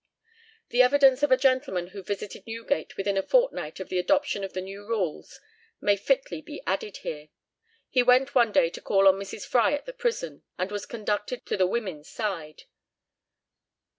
The evidence of a gentleman who visited Newgate within a fortnight of the adoption of the new rules may fitly be added here. He went one day to call on Mrs. Fry at the prison, and was conducted to the women's side.